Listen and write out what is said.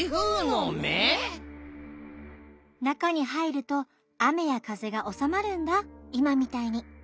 なかにはいるとあめやかぜがおさまるんだいまみたいに。